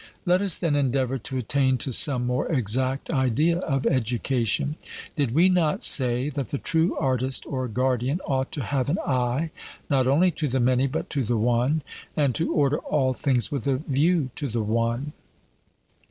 Let us then endeavour to attain to some more exact idea of education. Did we not say that the true artist or guardian ought to have an eye, not only to the many, but to the one, and to order all things with a view to the one?